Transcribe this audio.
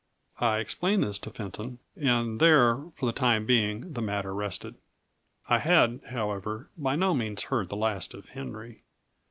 I explained this to Fenton; and there, for the time being, the matter rested. I had, however, by no means heard the last of Henry.